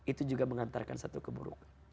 itu juga mengantarkan satu keburukan